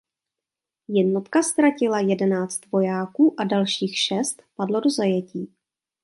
Jednotka ztratila jedenáct vojáků a dalších šest padlo do zajetí.